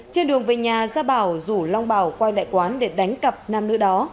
trên đường về nhà gia bảo rủ long bảo quay lại quán để đánh cặp nam nữ đó